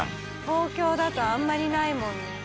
東京だとあんまりないもんね。